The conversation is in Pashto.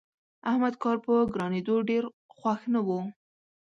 احمد کار په ګرانېدو ډېر خوښ نه وو.